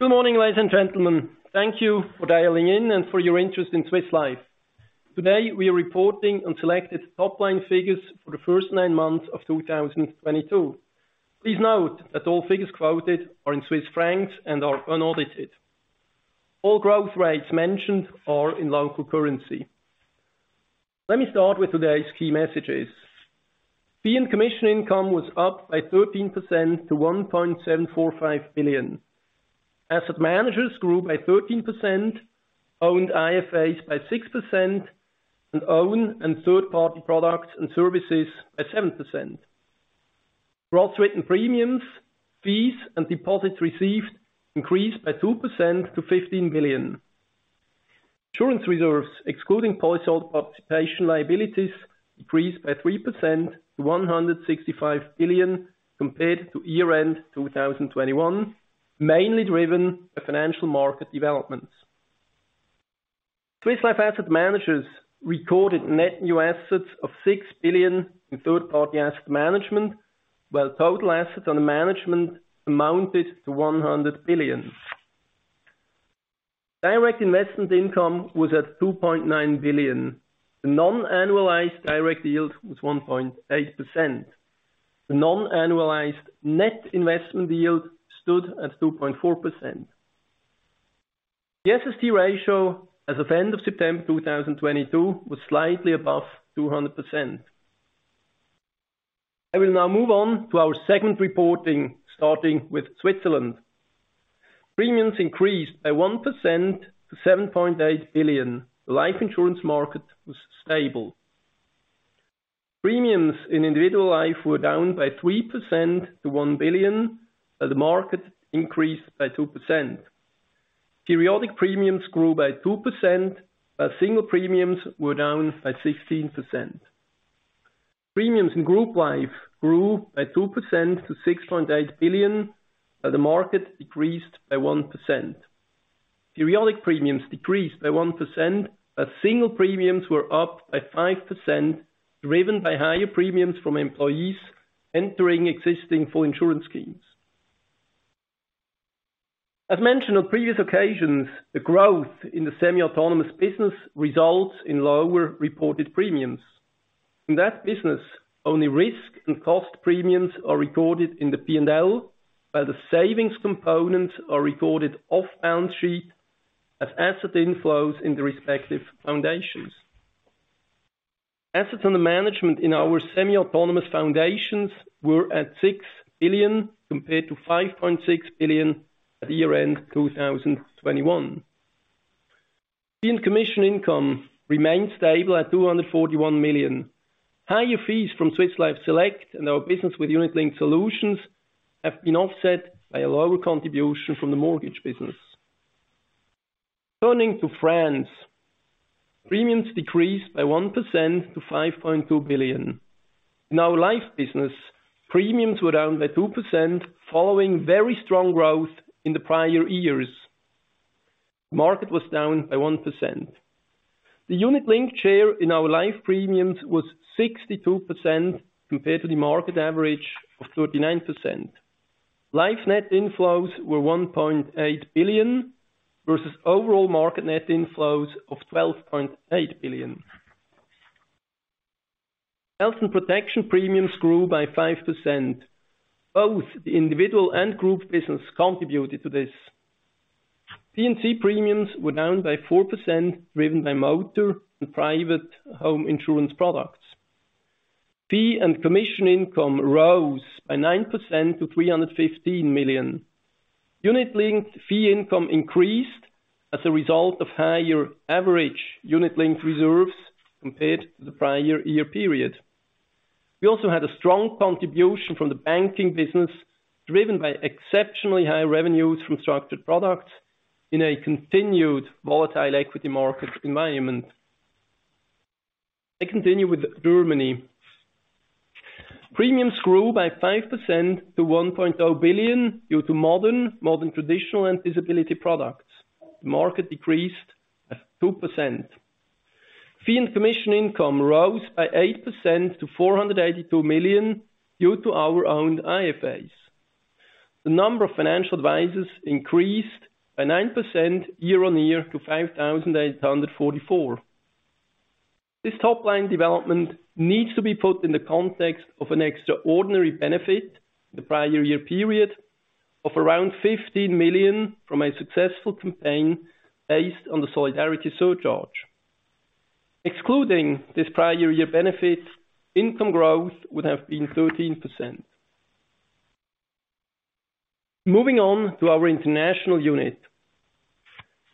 Good morning, ladies and gentlemen. Thank you for dialing in and for your interest in Swiss Life. Today, we are reporting on selected top-line figures for the first nine months of 2022. Please note that all figures quoted are in Swiss francs and are unaudited. All growth rates mentioned are in local currency. Let me start with today's key messages. Fee and commission income was up by 13% to 1.745 billion. Asset managers grew by 13%, owned IFAs by 6%, and own and third-party products and services by 7%. Gross written premiums, fees, and deposits received increased by 2% to 15 billion. Insurance reserves, excluding policyholder participation liabilities, decreased by 3% to 165 billion compared to year-end 2021, mainly driven by financial market developments. Swiss Life asset managers recorded net new assets of 6 billion in third-party asset management, while total assets under management amounted to 100 billion. Direct investment income was at 2.9 billion. The non-annualized direct yield was 1.8%. The non-annualized net investment yield stood at 2.4%. The SST ratio as of end of September 2022 was slightly above 200%. I will now move on to our segment reporting, starting with Switzerland. Premiums increased by 1% to 7.8 billion. The life insurance market was stable. Premiums in individual life were down by 3% to 1 billion, as the market increased by 2%. Periodic premiums grew by 2%, but single premiums were down by 16%. Premiums in group life grew by 2% to 6.8 billion, as the market decreased by 1%. Periodic premiums decreased by 1%, as single premiums were up by 5%, driven by higher premiums from employees entering existing full insurance schemes. As mentioned on previous occasions, the growth in the semi-autonomous business results in lower reported premiums. In that business, only risk and cost premiums are recorded in the P&L, while the savings components are recorded off balance sheet as asset inflows in the respective foundations. Assets under management in our semi-autonomous foundations were at 6 billion compared to 5.6 billion at year-end 2021. Fee and commission income remained stable at 241 million. Higher fees from Swiss Life Select and our business with unit-linked solutions have been offset by a lower contribution from the mortgage business. Turning to France. Premiums decreased by 1% to 5.2 billion. In our life business, premiums were down by 2% following very strong growth in the prior years. Market was down by 1%. The unit-linked share in our life premiums was 62% compared to the market average of 39%. Life net inflows were 1.8 billion versus overall market net inflows of 12.8 billion. Health and protection premiums grew by 5%. Both the individual and group business contributed to this. P&C premiums were down by 4%, driven by motor and private home insurance products. Fee and commission income rose by 9% to 315 million. Unit-linked fee income increased as a result of higher average unit-linked reserves compared to the prior year period. We also had a strong contribution from the banking business, driven by exceptionally high revenues from structured products in a continued volatile equity market environment. I continue with Germany. Premiums grew by 5% to 1.0 billion due to modern traditional and disability products. The market decreased by 2%. Fee and commission income rose by 8% to 482 million due to our own IFAs. The number of financial advisors increased by 9% year-on-year to 5,844. This top-line development needs to be put in the context of an extraordinary benefit the prior-year period of around 15 million from a successful campaign based on the solidarity surcharge. Excluding this prior-year benefit, income growth would have been 13%. Moving on to our international unit.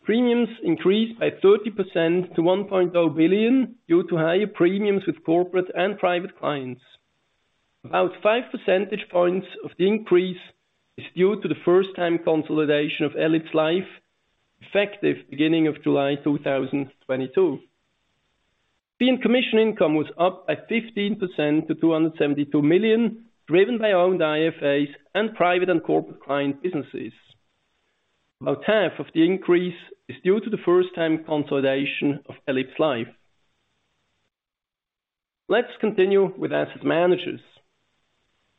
Premiums increased by 30% to 1.0 billion due to higher premiums with corporate and private clients. About 5% points of the increase is due to the first-time consolidation of elipsLife, effective beginning of July 2022. Fee and commission income was up by 15% to 272 million, driven by owned IFAs and private and corporate client businesses. About half of the increase is due to the first-time consolidation of elipsLife. Let's continue with asset managers.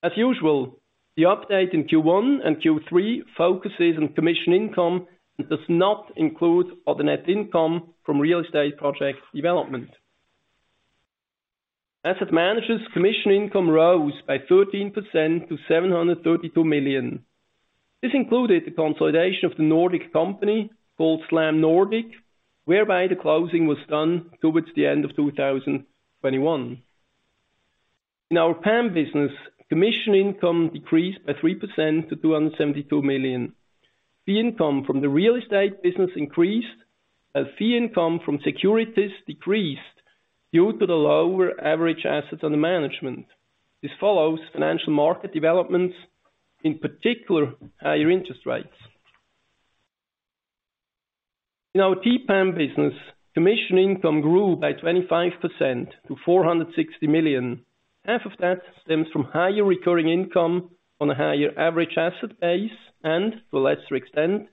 As usual, the update in Q1 and Q3 focuses on commission income and does not include other net income from real estate project development. Asset managers commission income rose by 13% to 732 million. This included the consolidation of the Nordic company called Slättö, whereby the closing was done towards the end of 2021. In our PAM business, commission income decreased by 3% to 272 million. Fee income from the real estate business increased, as fee income from securities decreased due to the lower average assets under management. This follows financial market developments, in particular, higher interest rates. In our TPAM business, commission income grew by 25% to 460 million. Half of that stems from higher recurring income on a higher average asset base and to a lesser extent,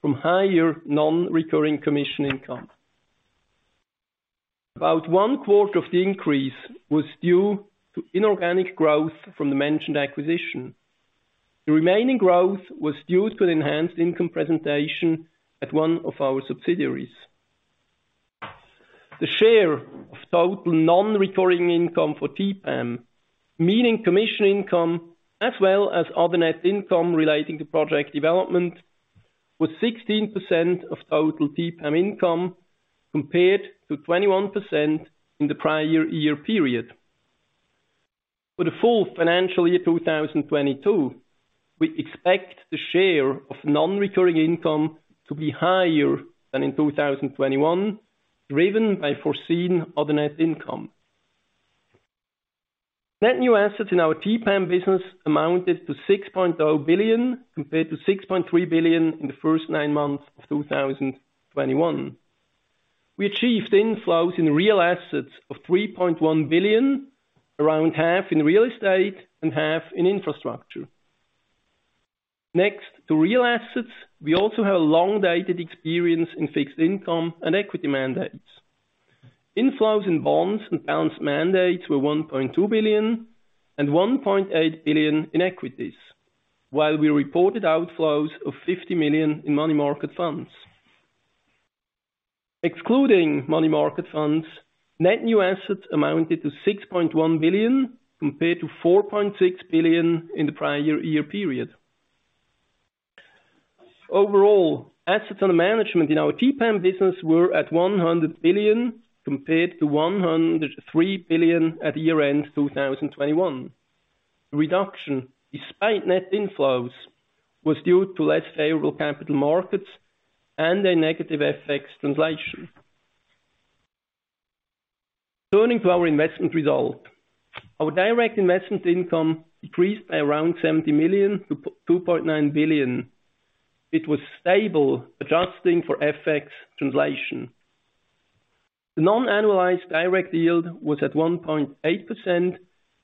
from higher non-recurring commission income. About one quarter of the increase was due to inorganic growth from the mentioned acquisition. The remaining growth was due to enhanced income presentation at one of our subsidiaries. The share of total non-recurring income for TPAM, meaning commission income, as well as other net income relating to project development, was 16% of total TPAM income, compared to 21% in the prior year period. For the full financial year 2022, we expect the share of non-recurring income to be higher than in 2021, driven by foreseen other net income. Net new assets in our TPAM business amounted to 6.0 billion, compared to 6.3 billion in the first nine months of 2021. We achieved inflows in real assets of 3.1 billion, around half in real estate and half in infrastructure. Next, to real assets, we also have long-dated experience in fixed income and equity mandates. Inflows in bonds and balanced mandates were 1.2 billion and 1.8 billion in equities, while we reported outflows of 50 million in money market funds. Excluding money market funds, net new assets amounted to 6.1 billion compared to 4.6 billion in the prior year period. Overall, assets under management in our TPAM business were at 100 billion compared to 103 billion at year-end 2021. Reduction despite net inflows was due to less favorable capital markets and a negative FX translation. Turning to our investment result, our direct investment income decreased by around 70 million to 2.9 billion. It was stable, adjusting for FX translation. The non-annualized direct yield was at 1.8%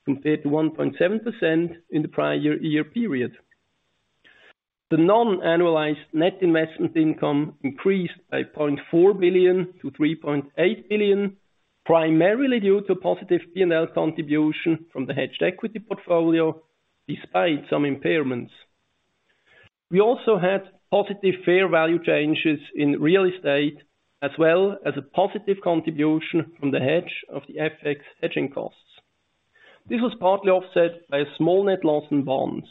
compared to 1.7% in the prior year period. The non-annualized net investment income increased by 0.4 billion to 3.8 billion, primarily due to positive P&L contribution from the hedged equity portfolio, despite some impairments. We also had positive fair value changes in real estate, as well as a positive contribution from the hedge of the FX hedging costs. This was partly offset by a small net loss in bonds.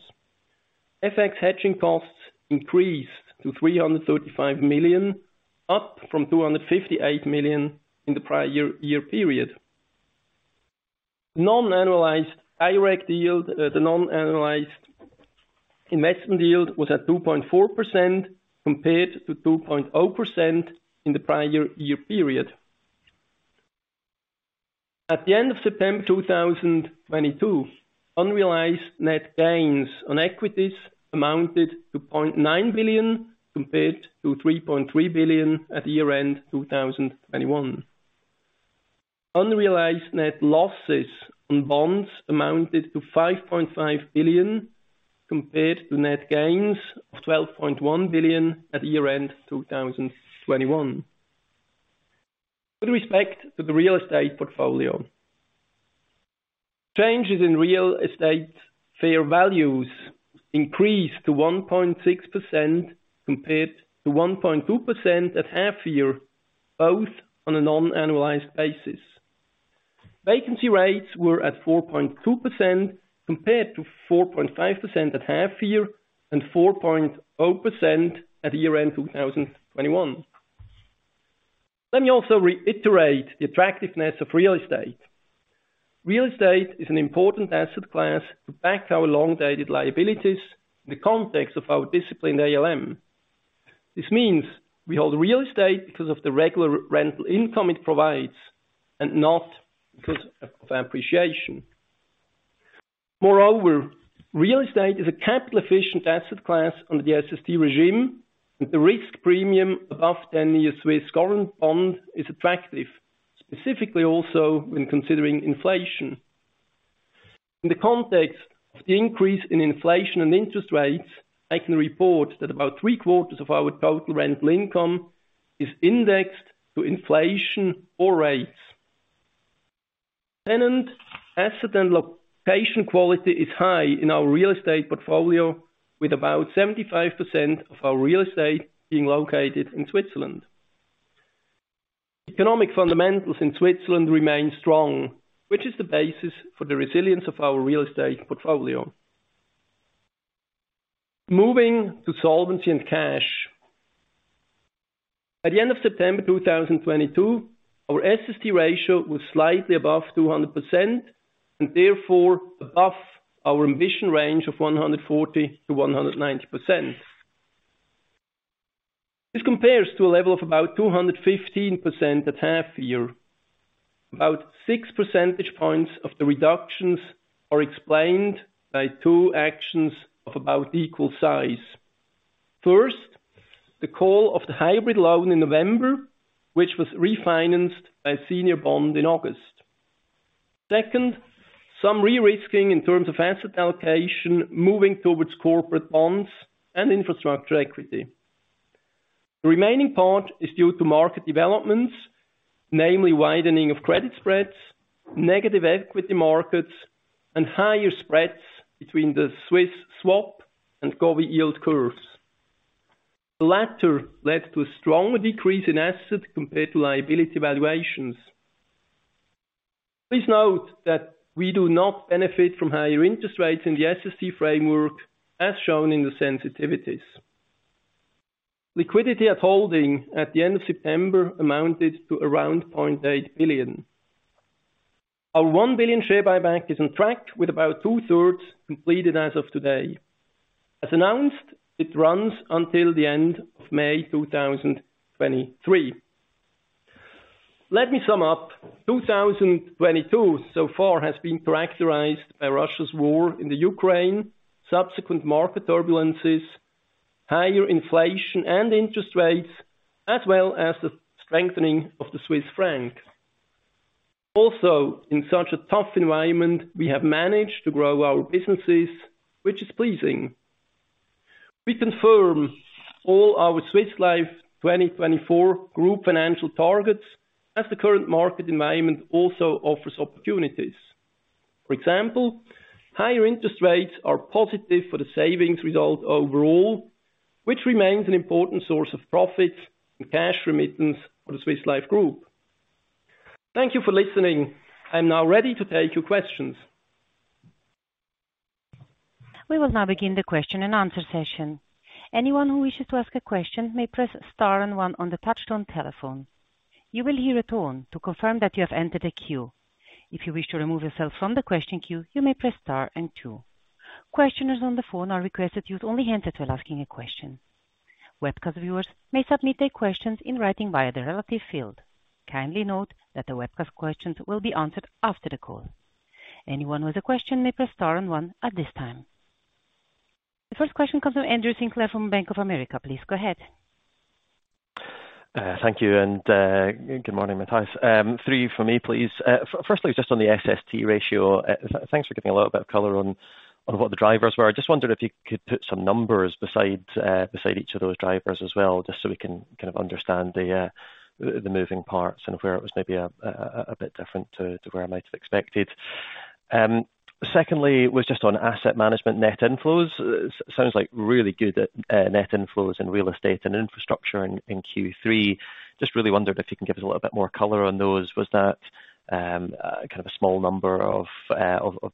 FX hedging costs increased to 335 million, up from 258 million in the prior year period. Non-annualized direct yield, the non-annualized investment yield was at 2.4% compared to 2.0% in the prior year period. At the end of September 2022, unrealized net gains on equities amounted to 0.9 billion compared to 3.3 billion at year-end 2021. Unrealized net losses on bonds amounted to 5.5 billion, compared to net gains of 12.1 billion at year-end 2021. With respect to the real estate portfolio, changes in real estate fair values increased to 1.6% compared to 1.2% at half year, both on a non-annualized basis. Vacancy rates were at 4.2% compared to 4.5% at half year and 4.0% at year-end 2021. Let me also reiterate the attractiveness of real estate. Real estate is an important asset class to back our long-dated liabilities in the context of our disciplined ALM. This means we hold real estate because of the regular rental income it provides and not because of appreciation. Moreover, real estate is a capital-efficient asset class under the SST regime, and the risk premium above 10-year Swiss government bond is attractive, specifically also when considering inflation. In the context of the increase in inflation and interest rates, I can report that about three-quarters of our total rental income is indexed to inflation or rates. Tenant, asset, and location quality is high in our real estate portfolio, with about 75% of our real estate being located in Switzerland. Economic fundamentals in Switzerland remain strong, which is the basis for the resilience of our real estate portfolio. Moving to solvency and cash. At the end of September 2022, our SST ratio was slightly above 200% and therefore above our ambition range of 140%-190%. This compares to a level of about 215% at half year. About 6% points of the reductions are explained by two actions of about equal size. First, the call of the hybrid loan in November, which was refinanced by senior bond in August. Second, some re-risking in terms of asset allocation, moving towards corporate bonds and infrastructure equity. The remaining part is due to market developments, namely widening of credit spreads, negative equity markets, and higher spreads between the Swiss swap and government yield curves. The latter led to a stronger decrease in assets compared to liability valuations. Please note that we do not benefit from higher interest rates in the SST framework as shown in the sensitivities. Liquidity at holding at the end of September amounted to around 0.8 billion. Our 1 billion share buyback is on track with about 2/3 completed as of today. As announced, it runs until the end of May 2023. Let me sum up. 2022 so far has been characterized by Russia's war in the Ukraine, subsequent market turbulences, higher inflation and interest rates, as well as the strengthening of the Swiss franc. Also, in such a tough environment, we have managed to grow our businesses, which is pleasing. We confirm all our Swiss Life 2024 Group financial targets as the current market environment also offers opportunities. For example, higher interest rates are positive for the savings result overall, which remains an important source of profit and cash remittance for the Swiss Life Group. Thank you for listening. I'm now ready to take your questions. We will now begin the question and answer session. Anyone who wishes to ask a question may press star and one on the touchtone telephone. You will hear a tone to confirm that you have entered a queue. If you wish to remove yourself from the question queue, you may press star and two. Questioners on the phone are requested to use only the handset until asking a question. Webcast viewers may submit their questions in writing via the relevant field. Kindly note that the webcast questions will be answered after the call. Anyone with a question may press star and one at this time. The first question comes from Andrew Sinclair from Bank of America. Please go ahead. Thank you. Good morning, Matthias. Three from me, please. Firstly, just on the SST ratio, thanks for giving a little bit of color on what the drivers were. I just wondered if you could put some numbers beside each of those drivers as well, just so we can kind of understand the moving parts and where it was maybe a bit different to where I might have expected. Secondly, just on asset management net inflows. Sounds like really good net inflows in real estate and infrastructure in Q3. Just really wondered if you can give us a little bit more color on those. Was that kind of a small number of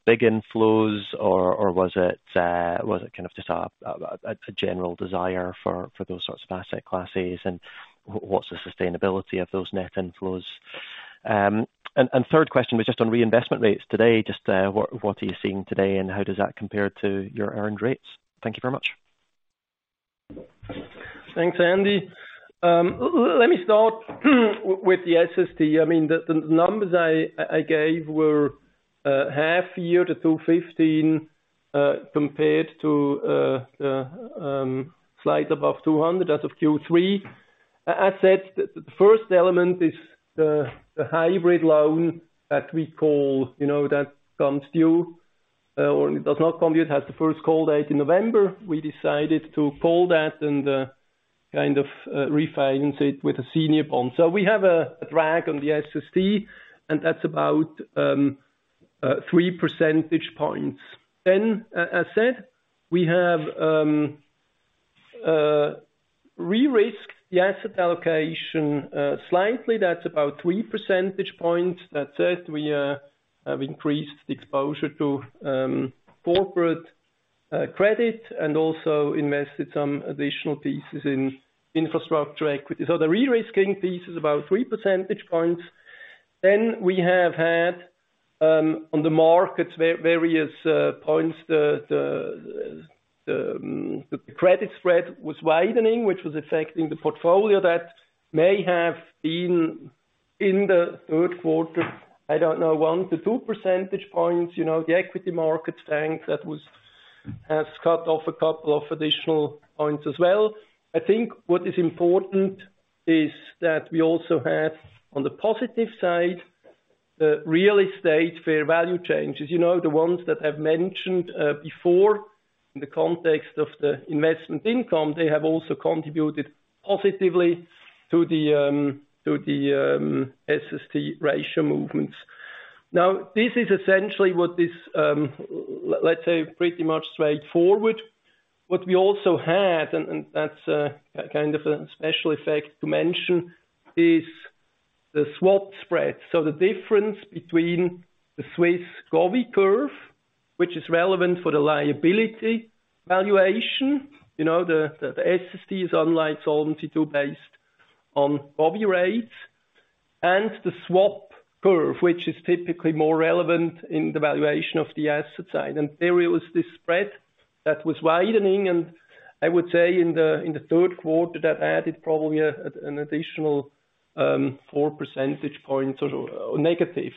big inflows or was it kind of just a general desire for those sorts of asset classes? What's the sustainability of those net inflows? Third question was just on reinvestment rates today. Just what are you seeing today, and how does that compare to your earned rates? Thank you very much. Thanks, Andy. Let me start with the SST. I mean, the numbers I gave were half year to 215%, compared to the slightly above 200% as of Q3. The first element is the hybrid loan that we call, you know, that comes due or it does not come due. It has the first call date in November. We decided to call that and kind of refinance it with a senior bond. So we have a drag on the SST, and that's about 3% points. Then as said, we have re-risked the asset allocation slightly. That's about 3% points. That said, we have increased exposure to corporate credit and also invested some additional pieces in infrastructure equity. So the re-risking piece is about 3% points. We have had on the markets various points. The credit spread was widening, which was affecting the portfolio. That may have been in the third quarter. I don't know, 1%-2% points. You know, the equity markets tanked. That has cut off a couple of additional points as well. I think what is important is that we also have, on the positive side, the real estate fair value changes. You know, the ones that I've mentioned before in the context of the investment income. They have also contributed positively to the SST ratio movements. Now, this is essentially what is, let's say, pretty much straightforward. What we also had, and that's kind of a special effect to mention, is the swap spread. The difference between the Swiss government curve, which is relevant for the liability valuation. You know, the SST is unlike Solvency II based on government rates and the swap curve, which is typically more relevant in the valuation of the asset side. There it was this spread that was widening, and I would say in the third quarter, that added probably an additional 4% points or negative.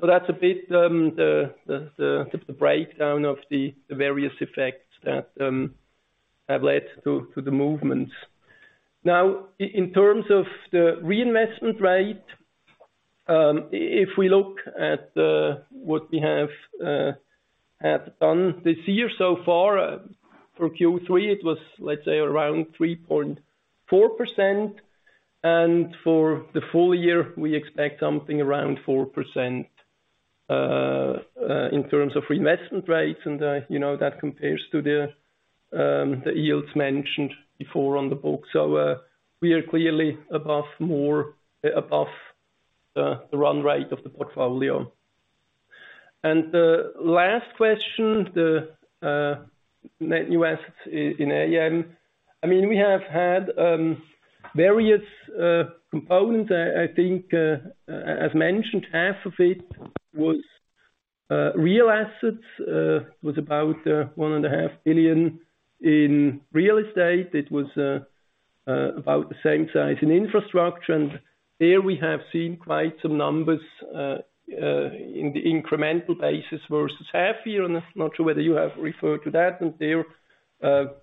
That's a bit the breakdown of the various effects that have led to the movements. Now in terms of the reinvestment rate, if we look at what we have done this year so far, for Q3, it was, let's say, around 3.4%. For the full year we expect something around 4% in terms of reinvestment rates. You know, that compares to the yields mentioned before on the book. We are clearly above more, above the run rate of the portfolio. The last question, the net new assets in AM. I mean, we have had various components. I think, as mentioned, half of it was real assets. Was about 1.5 billion in real estate. It was about the same size in infrastructure. There we have seen quite some numbers in the incremental basis versus half year. I'm not sure whether you have referred to that. There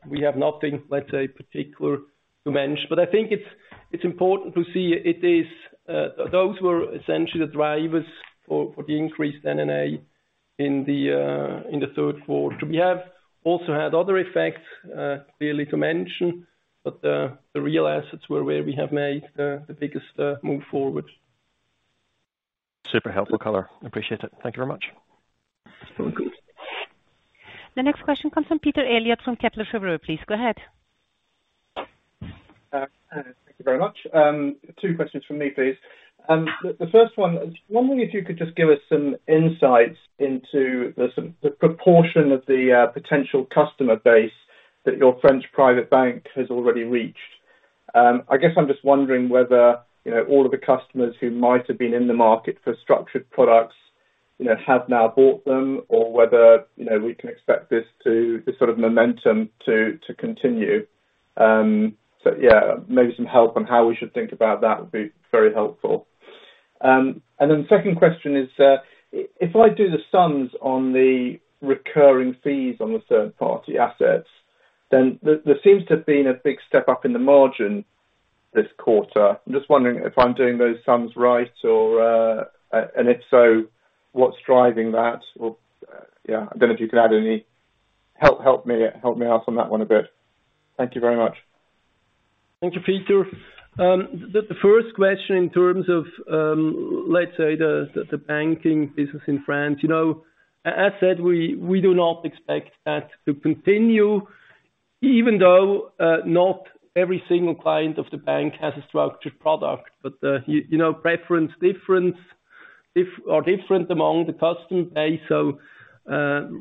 we have nothing, let's say, particular to mention. I think it's important to see it is those were essentially the drivers for the increased NNA in the third quarter. We have also had other effects, clearly to mention, but the real assets were where we have made the biggest move forward. Super helpful color. Appreciate it. Thank you very much. You're welcome. The next question comes from Peter Eliot from Kepler Cheuvreux, please go ahead. Thank you very much. Two questions from me, please. The first one, I was wondering if you could just give us some insights into the sort of proportion of the potential customer base that your French private bank has already reached. I guess I'm just wondering whether, you know, all of the customers who might have been in the market for structured products, you know, have now bought them or whether, you know, we can expect this sort of momentum to continue. Yeah, maybe some help on how we should think about that would be very helpful. Second question is, if I do the sums on the recurring fees on the third party assets, then there seems to have been a big step up in the margin this quarter. I'm just wondering if I'm doing those sums right or and if so, what's driving that? Yeah, I don't know if you could add any help. Help me out on that one a bit. Thank you very much. Thank you, Peter. The first question in terms of, let's say the banking business in France. As said, we do not expect that to continue even though not every single client of the bank has a structured product. You know, preferences are different among the customer base.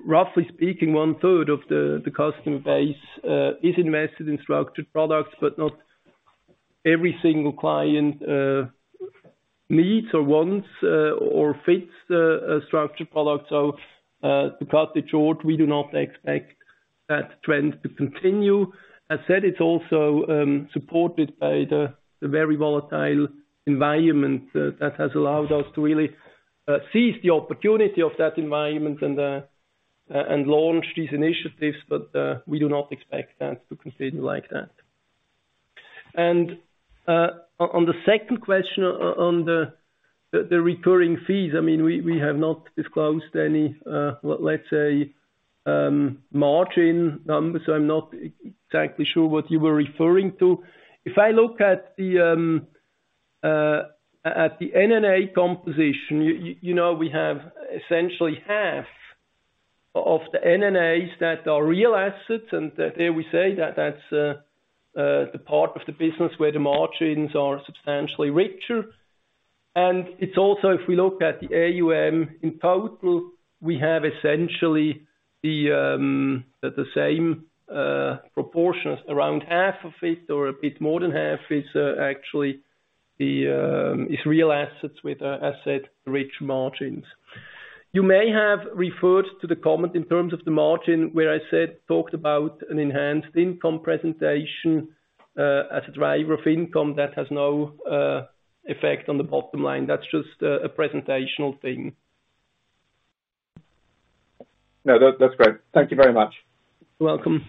Roughly speaking, one third of the customer base is invested in structured products, but not every single client needs or wants or fits the structured product. To cut it short, we do not expect that trend to continue. As said, it's also supported by the very volatile environment that has allowed us to really seize the opportunity of that environment and launch these initiatives. We do not expect that to continue like that. On the second question on the recurring fees, I mean, we have not disclosed any, let's say, margin numbers. I'm not exactly sure what you were referring to. If I look at the NNA composition, you know, we have essentially half of the NNAs that are real assets. There we say that that's the part of the business where the margins are substantially richer. It's also, if we look at the AUM in total, we have essentially the same proportions. Around half of it or a bit more than half is actually real assets with asset-rich margins. You may have referred to the comment in terms of the margin where I talked about an enhanced income presentation as a driver of income that has no effect on the bottom line. That's just a presentational thing. No, that's great. Thank you very much. You're welcome.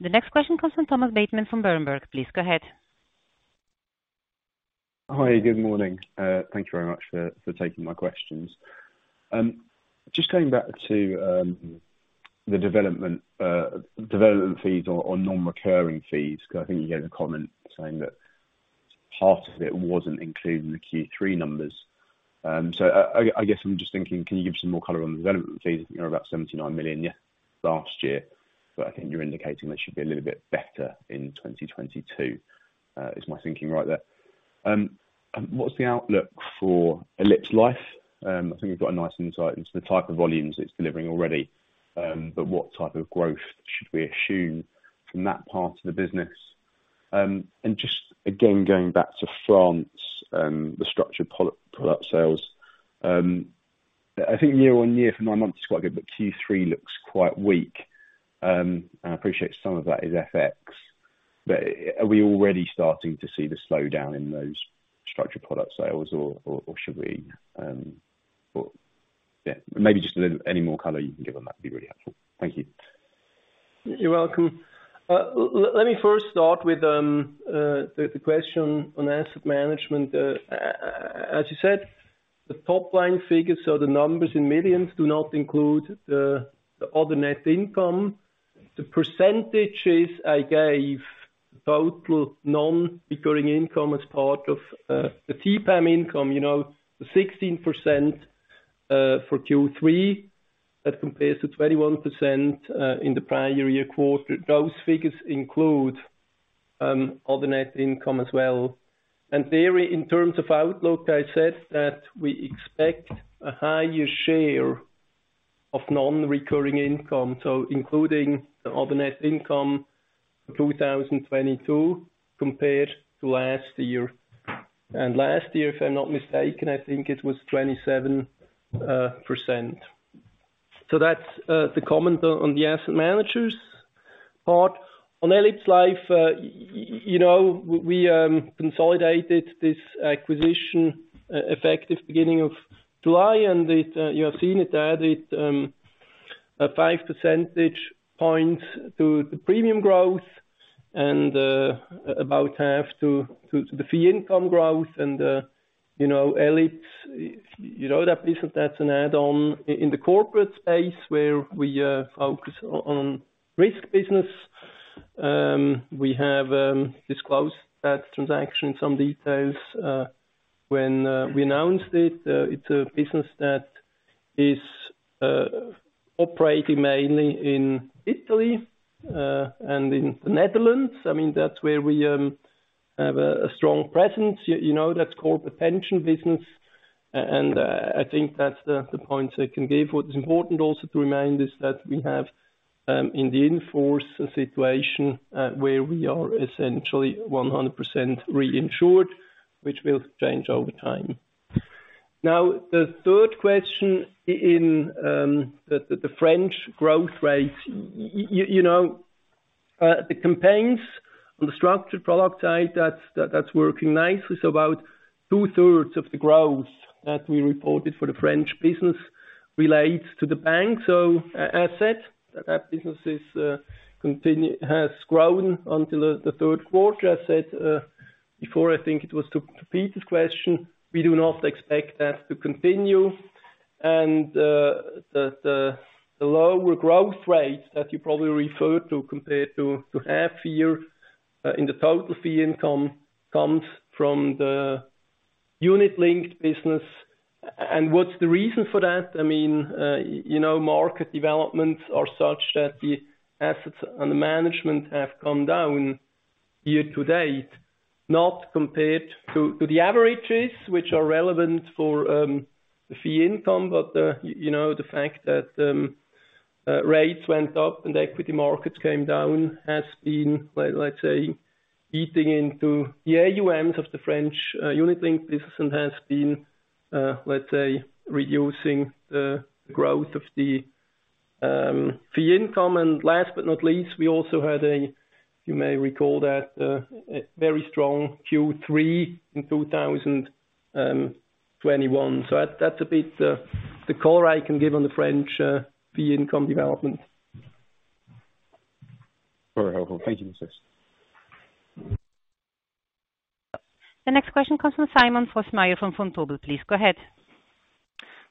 The next question comes from Thomas Bateman from Berenberg. Please go ahead. Hi. Good morning. Thank you very much for taking my questions. Just going back to the development fees or non-recurring fees, 'cause I think you gave a comment saying that part of it wasn't included in the Q3 numbers. I guess I'm just thinking, can you give some more color on the development fees? You know, about 79 million last year, but I think you're indicating they should be a little bit better in 2022. Is my thinking right there? What's the outlook for elipsLife? I think you've got a nice insight into the type of volumes it's delivering already. What type of growth should we assume from that part of the business? Just again, going back to France, the structured product sales, I think year-over-year for nine months it's quite good, but Q3 looks quite weak. I appreciate some of that is FX, but are we already starting to see the slowdown in those structured product sales or should we? Yeah, maybe just a little, any more color you can give on that would be really helpful. Thank you. You're welcome. Let me first start with the question on asset management. As you said, the top line figures or the numbers in millions do not include the other net income. The percentages I gave, total non-recurring income as part of the TPAM income, you know, the 16% for Q3 that compares to 21% in the prior year quarter. Those figures include other net income as well. There in terms of outlook, I said that we expect a higher share of non-recurring income, so including the other net income for 2022 compared to last year. Last year, if I'm not mistaken, I think it was 27%. That's the comment on the asset managers part. On elipsLife, you know, we consolidated this acquisition, effective beginning of July, and you have seen it added 5% points to the premium growth and about half to the fee income growth and you know elipsLife, you know that business, that's an add-on in the corporate space where we focus on risk business. We have disclosed that transaction, some details, when we announced it. It's a business that is operating mainly in Italy and in the Netherlands. I mean, that's where we have a strong presence. You know, that's core potential business and I think that's the points I can give. What is important also to remind is that we have in the in-force a situation where we are essentially 100% reinsured, which will change over time. Now, the third question on the French growth rate. You know, the campaigns on the structured product side, that's working nicely. So about two-thirds of the growth that we reported for the French business relates to the bank. So as said, that business has grown until the third quarter. I said before I think it was to Peter's question, we do not expect that to continue. The lower growth rates that you probably refer to compared to half year in the total fee income comes from the unit-linked business. What's the reason for that? I mean, you know, market developments are such that the assets under management have come down year to date, not compared to the averages which are relevant for the fee income. You know, the fact that rates went up and equity markets came down has been, let's say, eating into the AUMs of the French unit-linked business and has been, let's say, reducing the growth of the fee income. Last but not least, we also had, you may recall that, a very strong Q3 in 2021. That, that's a bit the color I can give on the French fee income development. Very helpful. Thank you. The next question comes from Simon Fössmeier from Vontobel. Please go ahead.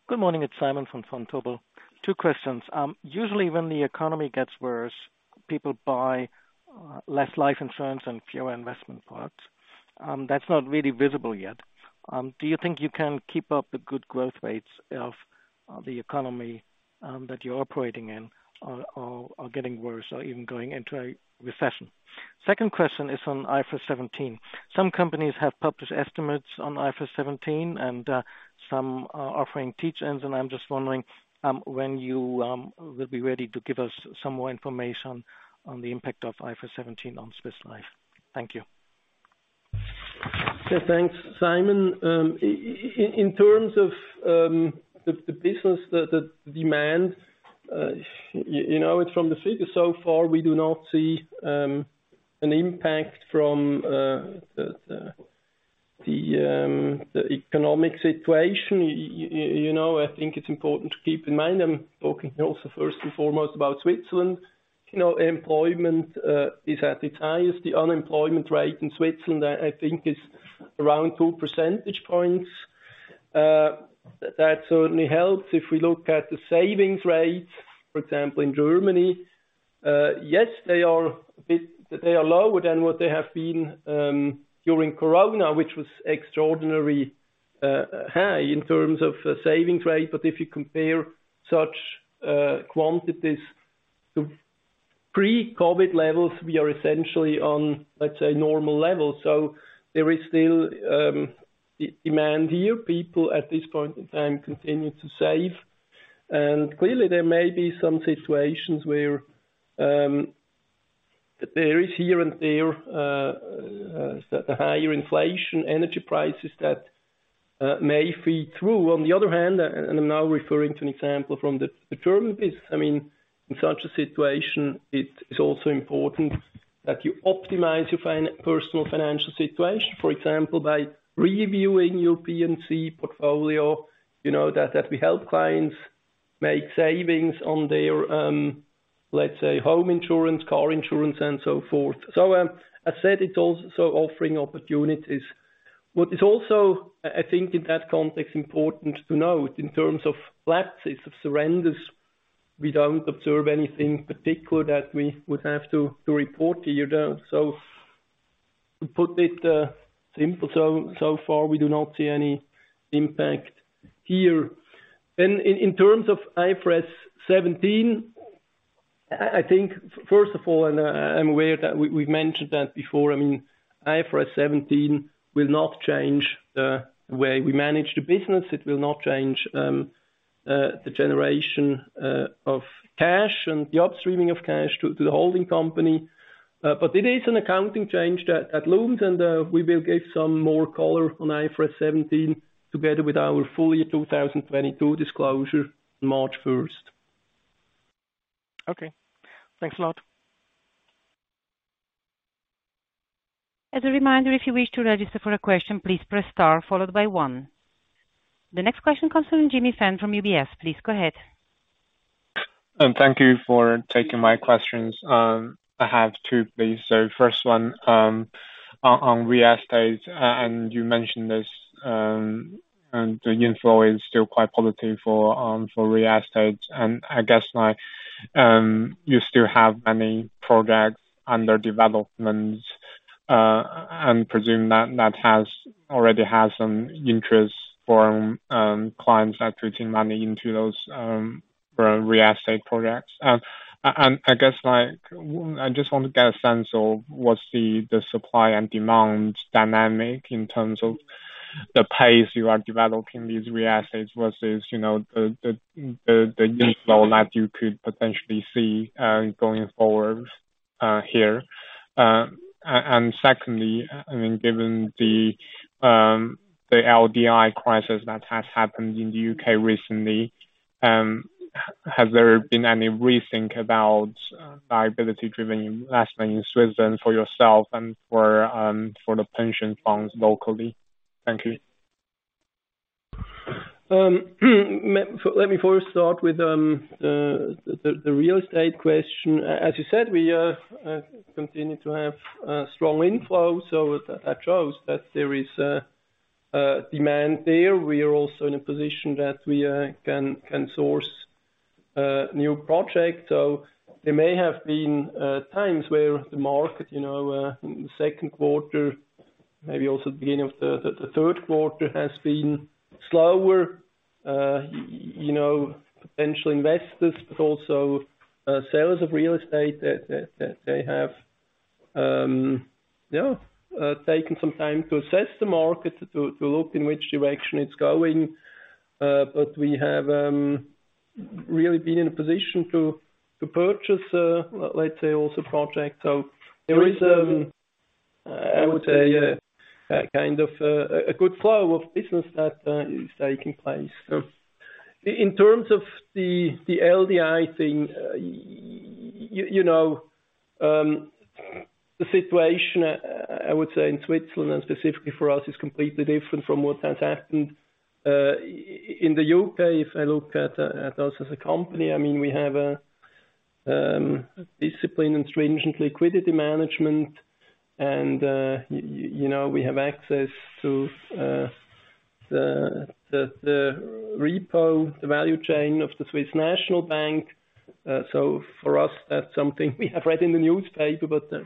Good morning. It's Simon from Vontobel. Two questions. Usually when the economy gets worse, people buy less life insurance and fewer investment products. That's not really visible yet. Do you think you can keep up the good growth rates if the economy that you're operating in are getting worse or even going into a recession? Second question is on IFRS 17. Some companies have published estimates on IFRS 17 and some are offering teach-ins, and I'm just wondering when you will be ready to give us some more information on the impact of IFRS 17 on Swiss Life. Thank you. Yeah, thanks, Simon. In terms of the business, the demand, you know, we do not see an impact from the economic situation. You know, I think it's important to keep in mind, I'm talking also first and foremost about Switzerland. You know, employment is at its highest. The unemployment rate in Switzerland, I think is around 2% points. That certainly helps. If we look at the savings rates, for example, in Germany, yes, they are lower than what they have been during COVID, which was extraordinarily high in terms of savings rate. If you compare such quantities to pre-COVID levels, we are essentially on, let's say, normal levels. There is still demand here. People at this point in time continue to save. Clearly there may be some situations where there is here and there the higher inflation, energy prices that may feed through. On the other hand, I'm now referring to an example from the term business. I mean, in such a situation, it is also important that you optimize your personal financial situation. For example, by reviewing your P&C portfolio, you know, we help clients make savings on their, let's say, home insurance, car insurance and so forth. As said, it's also offering opportunities. What is also, I think, in that context, important to note in terms of lapses or surrenders, we don't observe anything particular that we would have to report here, though. To put it simply, so far, we do not see any impact here. In terms of IFRS 17, I think first of all, and I'm aware that we've mentioned that before, I mean, IFRS 17 will not change the way we manage the business. It will not change the generation of cash and the upstreaming of cash to the holding company. But it is an accounting change that looms. We will give some more color on IFRS 17 together with our full year 2022 disclosure on March 1st. Okay. Thanks a lot. As a reminder, if you wish to register for a question, please press star followed by one. The next question comes from Jimmy Fan from UBS. Please go ahead. Thank you for taking my questions. I have two, please. First one, on real estate, and you mentioned this, and the inflow is still quite positive for real estate. I guess, like, you still have many projects under development, and presume that has already some interest from clients putting money into those real estate projects. I guess, like, I just want to get a sense of what's the supply and demand dynamic in terms of the pace you are developing these real assets versus, you know, the inflow that you could potentially see going forward here. Secondly, I mean, given the LDI crisis that has happened in the U.K. recently, has there been any rethink about liability-driven investment in Switzerland for yourself and for the pension funds locally? Thank you. Let me first start with the real estate question. As you said, we continue to have strong inflows, so that shows that there is a demand there. We are also in a position that we can source new projects. There may have been times where the market, you know, in the second quarter, maybe also beginning of the third quarter, has been slower. You know, potential investors, but also sales of real estate, that they have taken some time to assess the market, to look in which direction it's going. We have really been in a position to purchase, let's say also projects. There is I would say a kind of a good flow of business that is taking place. In terms of the LDI thing, you know, the situation, I would say in Switzerland and specifically for us, is completely different from what has happened in the U.K. If I look at us as a company, I mean, we have a discipline and stringent liquidity management and, you know, we have access to the repo, the value chain of the Swiss National Bank. For us, that's something we have read in the newspaper, but that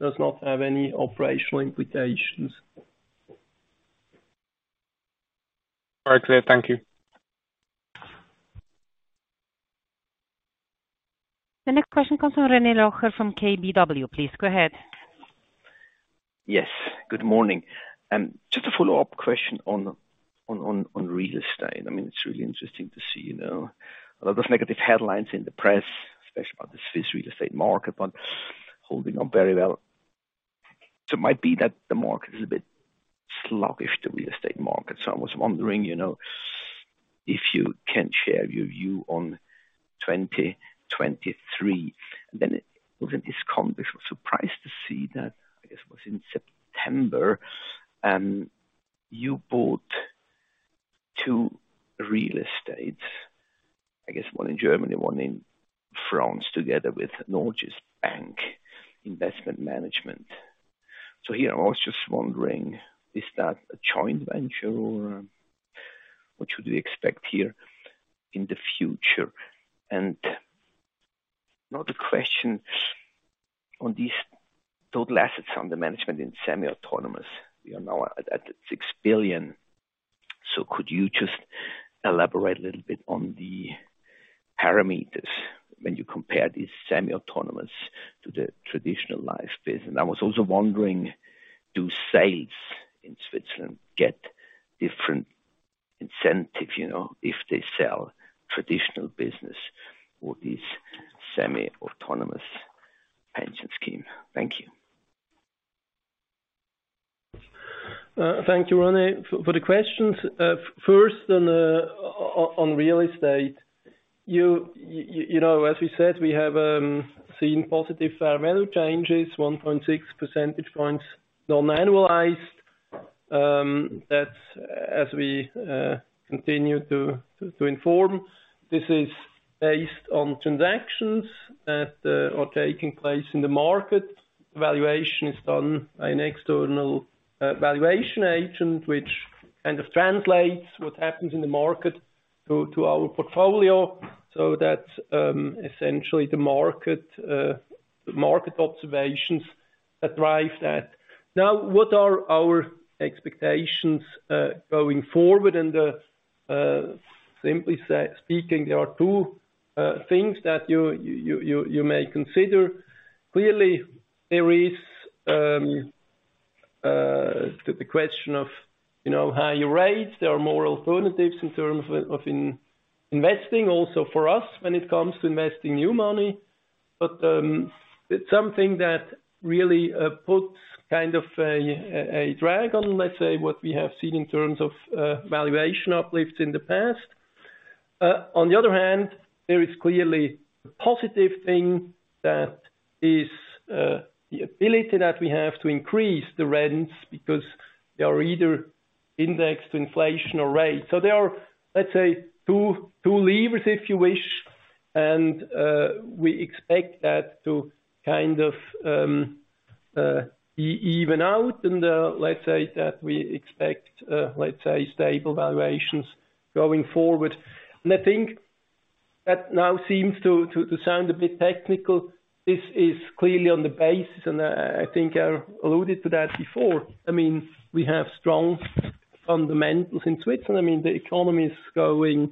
does not have any operational implications. Very clear. Thank you. The next question comes from Rene Locher from KBW. Please go ahead. Yes. Good morning. Just a follow-up question on real estate. I mean, it's really interesting to see, you know, a lot of negative headlines in the press, especially about the Swiss real estate market, but holding up very well. It might be that the market is a bit sluggish, the real estate market. I was wondering, you know, if you can share your view on 2023. Then it was a discount, which was surprising to see that, I guess it was in September, you bought two real estates, I guess one in Germany, one in France, together with Norges Bank Investment Management. Here I was just wondering, is that a joint venture or what should we expect here in the future? Now the question on these total assets under management in semi-autonomous, you know, at 6 billion. Could you just elaborate a little bit on the parameters when you compare these semi-autonomous to the traditional life business? I was also wondering, do sales in Switzerland get different incentive, you know, if they sell traditional business or these semi-autonomous pension scheme? Thank you. Thank you, Rene, for the questions. First on real estate. You know, as we said, we have seen positive fair value changes, 1.6% points non-annualized. That's as we continue to inform. This is based on transactions that are taking place in the market. Valuation is done by an external valuation agent, which kind of translates what happens in the market to our portfolio. So that's essentially the market observations that drive that. Now, what are our expectations going forward? Simply speaking, there are two things that you may consider. Clearly, there is the question of, you know, higher rates. There are more alternatives in terms of investing also for us when it comes to investing new money. It's something that really puts kind of a drag on, let's say, what we have seen in terms of valuation uplifts in the past. On the other hand, there is clearly a positive thing that is the ability that we have to increase the rents because they are either indexed to inflation or rates. There are, let's say, two levers, if you wish, and we expect that to kind of even out and, let's say that we expect, let's say, stable valuations going forward. I think that now seems to sound a bit technical. This is clearly on the basis, and I think I alluded to that before. I mean, we have strong fundamentals in Switzerland. I mean, the economy is going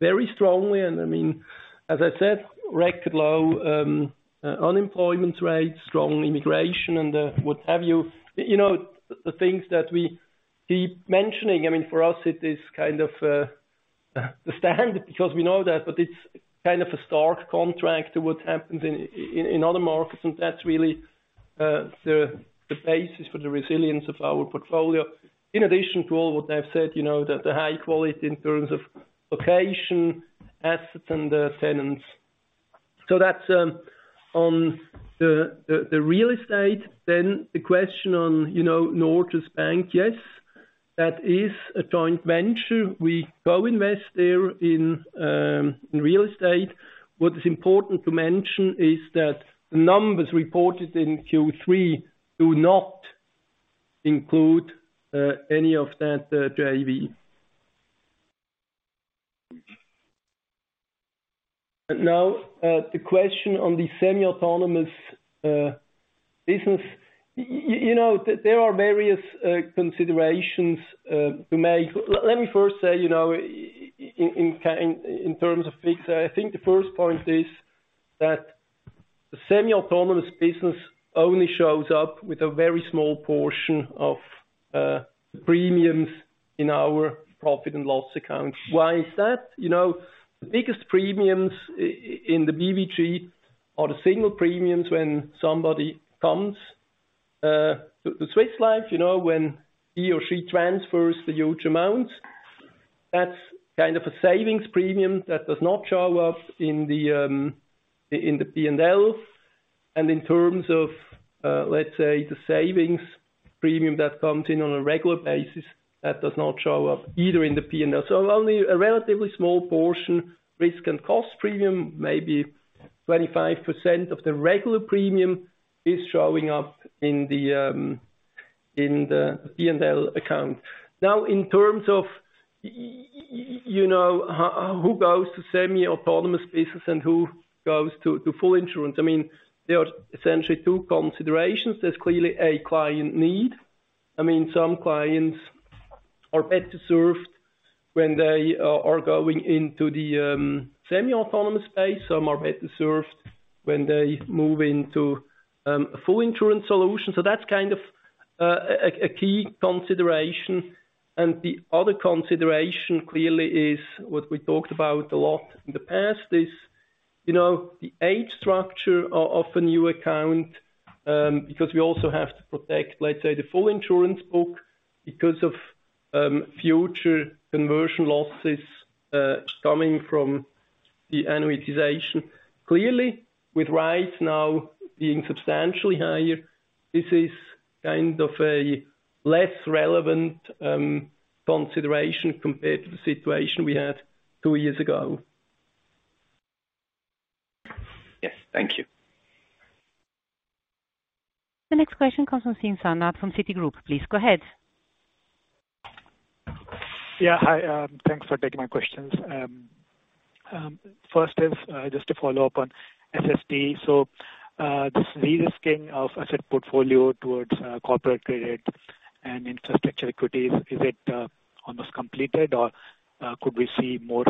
very strongly. I mean, as I said, record low unemployment rates, strong immigration and what have you. You know, the things that we keep mentioning, I mean, for us it is kind of the standard because we know that, but it's kind of a stark contrast to what happens in other markets, and that's really the basis for the resilience of our portfolio. In addition to all what I've said, you know, the high quality in terms of location, assets, and tenants. That's on the real estate. The question on, you know, Norges Bank. Yes, that is a joint venture. We co-invest there in real estate. What is important to mention is that the numbers reported in Q3 do not include any of that JV. Now, the question on the semi-autonomous business. You know, there are various considerations to make. Let me first say, you know, in terms of fixed, I think the first point is that the semi-autonomous business only shows up with a very small portion of the premiums in our profit and loss account. Why is that? You know, the biggest premiums in the BVG are the single premiums when somebody comes to Swiss Life, you know, when he or she transfers the huge amounts. That's kind of a savings premium that does not show up in the P&L. In terms of, let's say, the savings premium that comes in on a regular basis, that does not show up either in the P&L. Only a relatively small portion, risk and cost premium, maybe 25% of the regular premium is showing up in the P&L account. Now, in terms of you know, who goes to semi-autonomous business and who goes to full insurance, I mean, there are essentially two considerations. There's clearly a client need. I mean, some clients are best served when they are going into the semi-autonomous space. Some are better served when they move into a full insurance solution. That's kind of a key consideration. The other consideration clearly is what we talked about a lot in the past is, you know, the age structure of a new account, because we also have to protect, let's say, the full insurance book because of future conversion losses coming from the amortization. Clearly, with rates now being substantially higher, this is kind of a less relevant consideration compared to the situation we had two years ago. Yes, thank you. The next question comes from Farooq Hanif from Citigroup. Please go ahead. Hi, thanks for taking my questions. First is just to follow up on SST. This re-risking of asset portfolio towards corporate credit and infrastructure equities, is it almost completed, or could we see more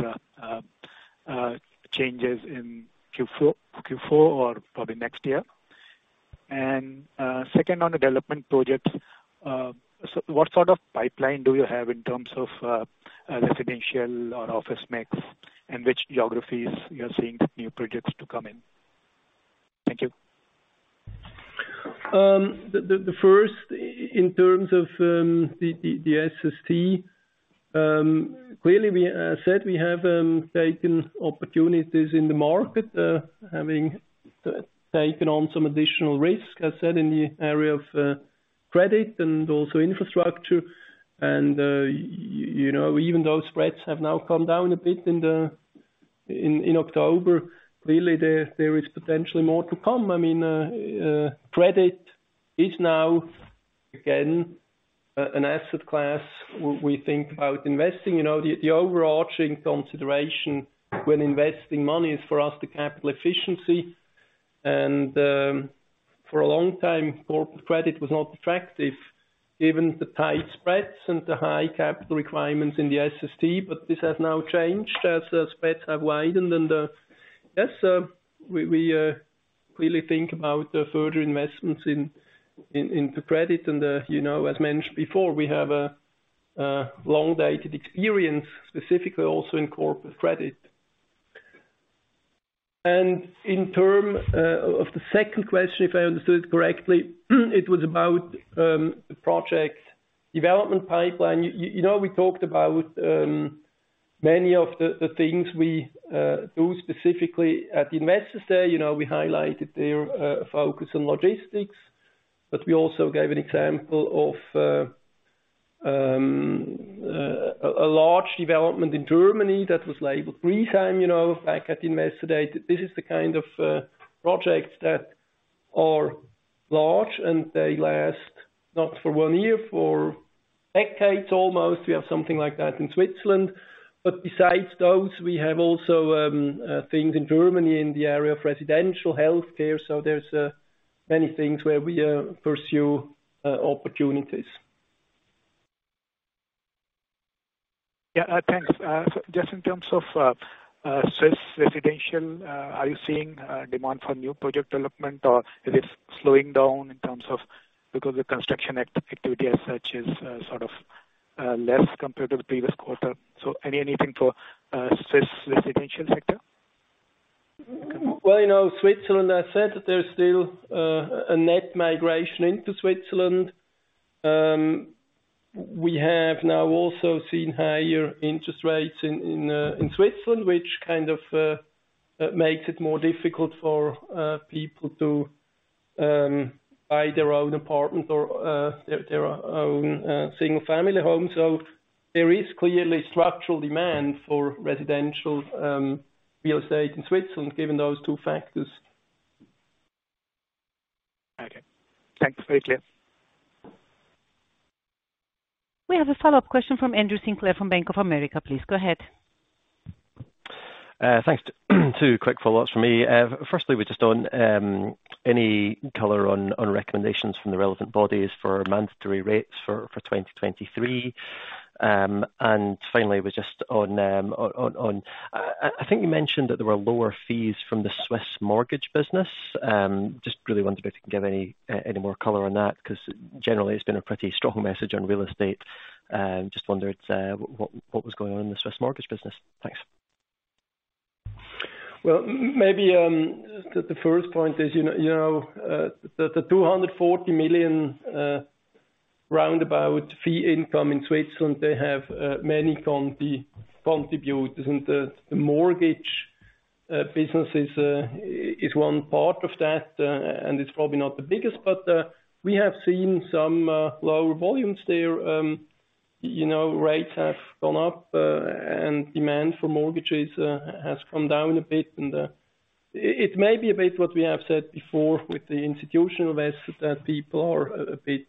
changes in Q4 or probably next year? Second, on the development projects, so what sort of pipeline do you have in terms of residential or office mix, and which geographies you are seeing the new projects to come in? Thank you. The first in terms of the SST, clearly, we said we have taken opportunities in the market, having taken on some additional risk, as said in the area of credit and also infrastructure. You know, even those spreads have now come down a bit in October. Clearly, there is potentially more to come. I mean, credit is now, again, an asset class we think about investing. You know, the overarching consideration when investing money is for us, the capital efficiency and, for a long time, corporate credit was not attractive, given the tight spreads and the high capital requirements in the SST. This has now changed as the spreads have widened. Yes, we clearly think about the further investments in the credit. You know, as mentioned before, we have a long dated experience, specifically also in corporate credit. In terms of the second question, if I understood correctly, it was about the project development pipeline. You know, we talked about many of the things we do specifically at Investor Day. You know, we highlighted their focus on logistics, but we also gave an example of a large development in Germany that was labeled GreenTime, you know, back at Investor Day. This is the kind of projects that are large, and they last not for one year, for decades almost. We have something like that in Switzerland. Besides those, we have also things in Germany in the area of residential health care. There's many things where we pursue opportunities. Thanks. Just in terms of Swiss residential, are you seeing demand for new project development, or is it slowing down in terms of because the construction activity as such is sort of less compared to the previous quarter? Anything for Swiss residential sector? Well, you know, Switzerland, I said there's still a net migration into Switzerland. We have now also seen higher interest rates in Switzerland, which kind of makes it more difficult for people to buy their own apartment or their own single-family home. There is clearly structural demand for residential real estate in Switzerland, given those two factors. Okay. Thanks. Very clear. We have a follow-up question from Andrew Sinclair, from Bank of America. Please go ahead. Thanks. Two quick follow-ups for me. Firstly, any color on recommendations from the relevant bodies for mandatory rates for 2023. Finally, I think you mentioned that there were lower fees from the Swiss mortgage business. Just really wondered if you can give any more color on that, 'cause generally it's been a pretty strong message on real estate. Just wondered what was going on in the Swiss mortgage business. Thanks. Well, maybe the first point is, you know, the 240 million recurring fee income in Switzerland they have many contributors. The mortgage business is one part of that, and it's probably not the biggest. We have seen some lower volumes there. You know, rates have gone up, and demand for mortgages has come down a bit. It may be a bit what we have said before with the institutional investors that people are a bit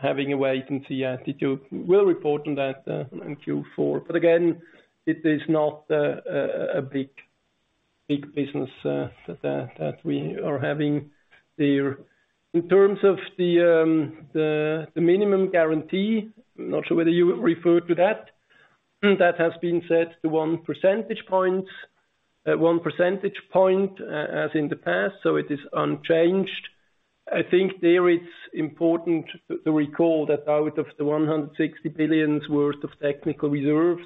having a wait and see attitude. We'll report on that in Q4. Again, it is not a big business that we are having there. In terms of the minimum guarantee, I'm not sure whether you refer to that. That has been set to 1% point, as in the past, so it is unchanged. I think that it's important to recall that out of the 160 billion worth of technical reserves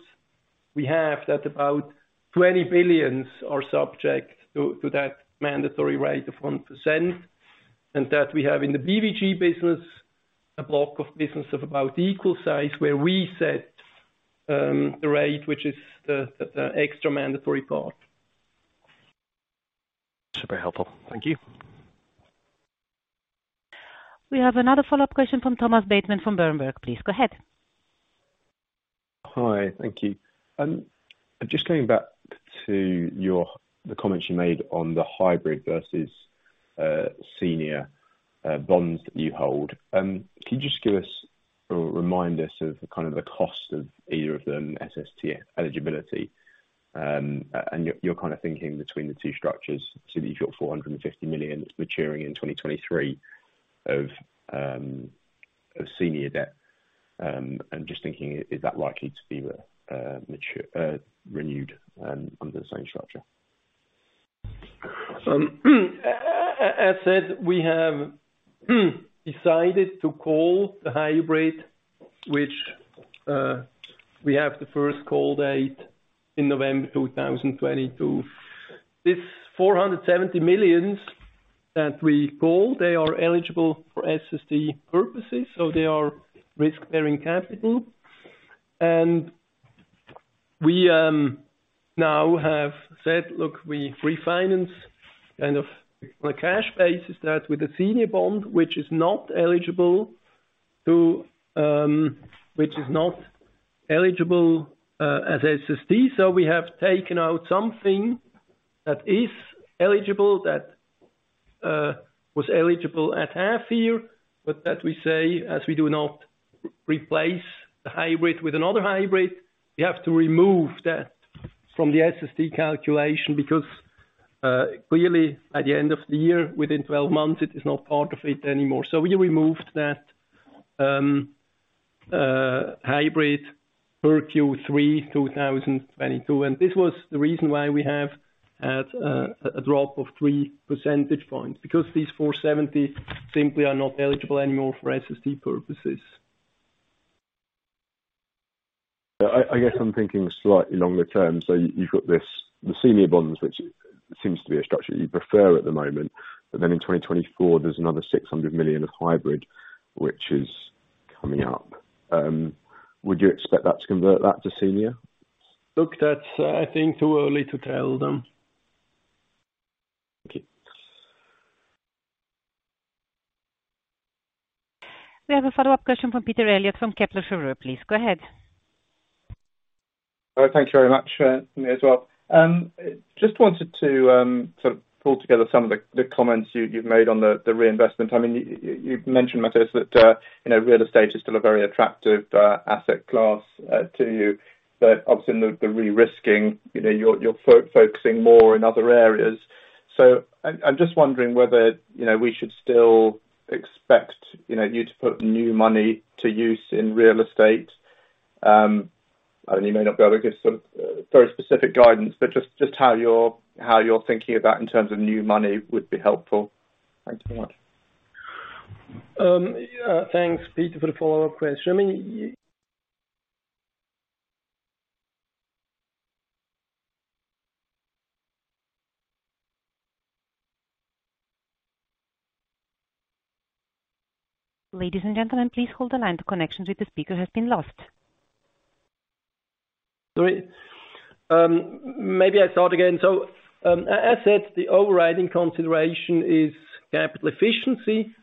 we have, that about 20 billion are subject to that mandatory rate of 1%, and that we have in the BVG business a block of business of about equal size, where we set the rate, which is the extra mandatory part. Super helpful. Thank you. We have another follow-up question from Thomas Bateman from Berenberg. Please go ahead. Hi. Thank you. Just going back to the comments you made on the hybrid versus senior bonds that you hold. Can you just give us or remind us of the kind of the cost of either of them SST eligibility, and your kind of thinking between the two structures, so that you've got 450 million maturing in 2023 of senior debt. I'm just thinking, is that likely to be the maturity renewed under the same structure? As said, we have decided to call the hybrid, which we have the first call date in November 2022. This 470 million that we call, they are eligible for SST purposes, so they are risk-bearing capital. We now have said, "Look, we refinance kind of on a cash basis that with the senior bond, which is not eligible as SST." We have taken out something that is eligible, that was eligible at half year, but that we say, as we do not replace the hybrid with another hybrid, we have to remove that from the SST calculation because clearly at the end of the year, within 12 months, it is not part of it anymore. We removed that hybrid per Q3 2022, and this was the reason why we have had a drop of 3% points because these 470 simply are not eligible anymore for SST purposes. I guess I'm thinking slightly longer term. You've got this, the senior bonds, which seems to be a structure you prefer at the moment, but then in 2024, there's another 600 million of hybrid which is coming up. Would you expect that to convert that to senior? Look, that's, I think too early to tell them. Okay. We have a follow-up question from Peter Eliot from Kepler Cheuvreux, please go ahead. All right. Thank you very much, me as well. Just wanted to sort of pull together some of the comments you've made on the reinvestment. I mean, you've mentioned, Matthias, that you know, real estate is still a very attractive asset class to you, but obviously the de-risking, you know, you're focusing more in other areas. I'm just wondering whether you know, we should still expect you know, you to put new money to use in real estate. You may not be able to give sort of very specific guidance, but just how you're thinking about in terms of new money would be helpful. Thanks so much. Thanks, Peter, for the follow-up question. I mean Ladies and gentlemen, please hold the line. The connection with the speaker has been lost. As said, the overriding consideration is capital efficiency.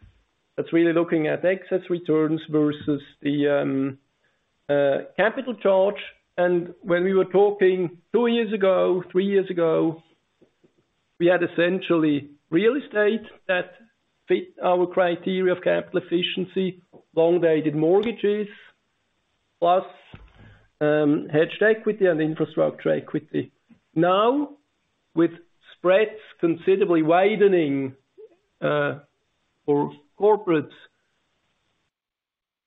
That's really looking at excess returns versus the capital charge. When we were talking two years ago, three years ago, we had essentially real estate that fit our criteria of capital efficiency, long-dated mortgages plus hedged equity and infrastructure equity. Now, with spreads considerably widening for corporates,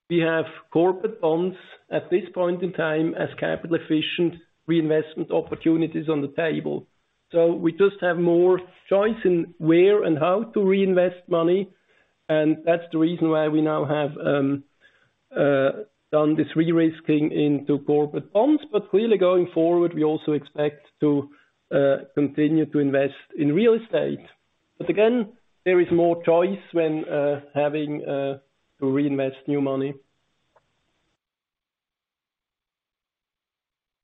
we have corporate bonds at this point in time as capital efficient reinvestment opportunities on the table. We just have more choice in where and how to reinvest money, and that's the reason why we now have done this re-risking into corporate bonds. Clearly going forward, we also expect to continue to invest in real estate. Again, there is more choice when having to reinvest new money.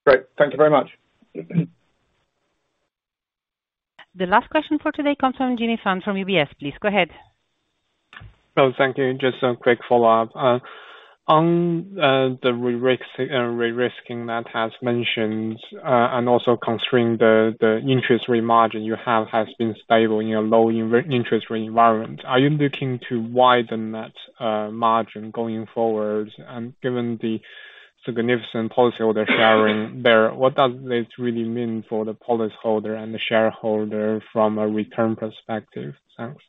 Great. Thank you very much. The last question for today comes from Jimmy Fan from UBS. Please go ahead. Oh, thank you. Just a quick follow-up. On the de-risking Matt has mentioned, and also considering the interest rate margin you have has been stable in your low interest rate environment, are you looking to widen that margin going forward? Given the significant policyholder sharing there. What does this really mean for the policyholder and the shareholder from a return perspective? Thanks.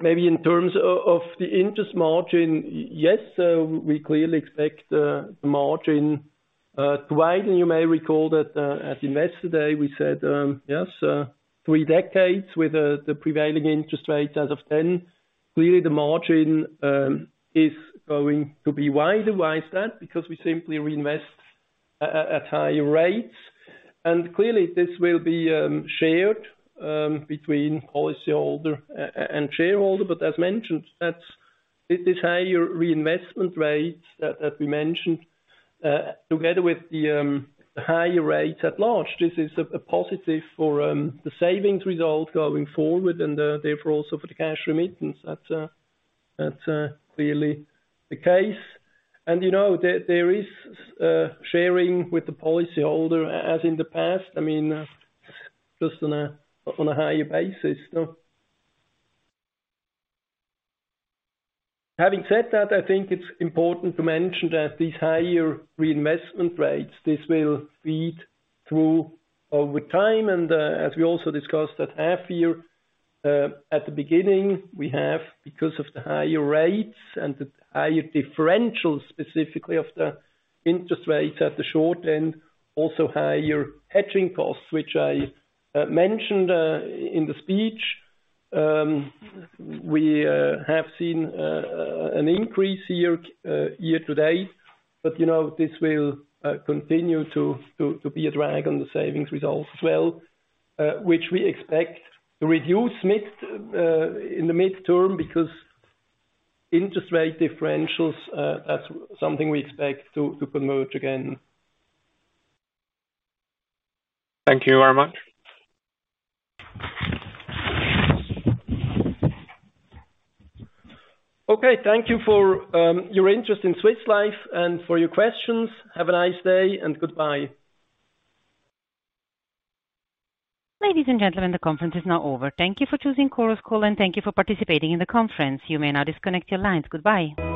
Maybe in terms of the interest margin, yes, we clearly expect the margin to widen. You may recall that at Investor Day, we said yes, 3% with the prevailing interest rates as of then. Clearly the margin is going to be wider. Why is that? Because we simply reinvest at higher rates. Clearly this will be shared between policyholder and shareholder. But as mentioned, that is higher reinvestment rates that we mentioned together with the higher rates at large. This is a positive for the savings result going forward and therefore also for the cash remittance. That's clearly the case. You know, there is sharing with the policyholder as in the past. I mean, just on a higher basis, no? Having said that, I think it's important to mention that these higher reinvestment rates, this will feed through over time and, as we also discussed at half year, at the beginning, we have, because of the higher rates and the higher differentials specifically of the interest rates at the short end, also higher hedging costs, which I mentioned in the speech. We have seen an increase year to date. You know, this will continue to be a drag on the savings results as well, which we expect to reduce in the mid-term because interest rate differentials, that's something we expect to improve again. Thank you very much. Okay. Thank you for your interest in Swiss Life and for your questions. Have a nice day and goodbye. Ladies and gentlemen, the conference is now over. Thank you for choosing Chorus Call, and thank you for participating in the conference. You may now disconnect your lines. Goodbye.